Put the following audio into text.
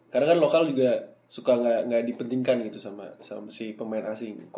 karena kan lokal juga suka nggak dipentingkan gitu sama si pemain asing